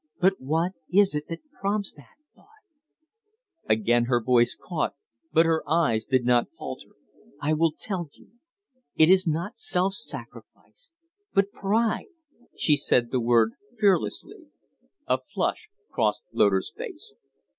But what is it that prompts that thought?" Again her voice caught, but her eyes did not falter. "I will tell you. It is not self sacrifice but pride!" She said the word fearlessly. A flush crossed Loder's face.